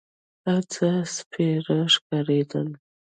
هر څه سپېره ښکارېدل.